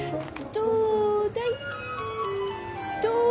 どうだい？